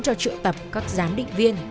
cho trựa tập các giám định viên